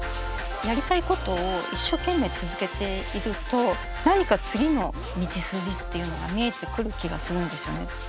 やりたいことを一生懸命続けていると何か次の道筋っていうのが見えてくる気がするんですよね。